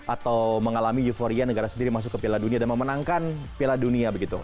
atau mengalami euforia negara sendiri masuk ke piala dunia dan memenangkan piala dunia begitu